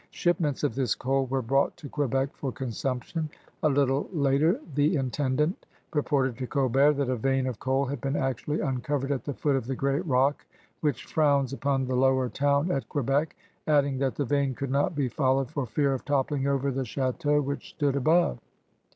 Shipments of this coal were brought to Quebec for consumption. A little later AGRICULTURE, INDUSTRY, AND TRADE 191 the intendsnt reported to Colbert that a vein of coal had been actually uncovered at the foot of the great rock which frowns upon the Lower Town at Quebec, adding that the vein could not be followed for fear of toppling over the Ch&teau which stood above.